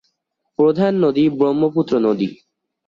প্রধান নদী পুরাতন ব্রহ্মপুত্র নদী।